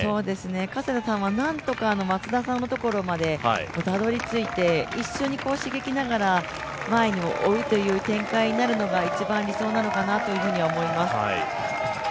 加世田さんはなんとか松田さんのところまでたどり着いて一緒に刺激しながら、前を追うという展開になるのが、一番理想なのかなというふうに思います。